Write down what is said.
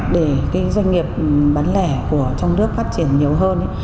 để doanh nghiệp bán lẻ trong nước phát triển nhiều hơn